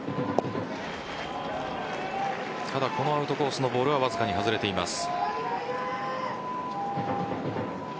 ただ、このアウトコースのボールはわずかに外れています。